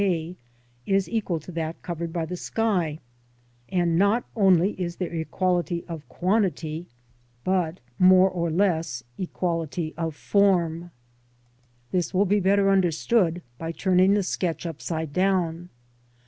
A is equal to that covered by the sky, and not only is there equality of quantity, but more or less equality 36 LANDSCAPE PAINTING IN OIL COLOUR. FIG. A. of form . This will be better un derstood by turning the sketch upside down.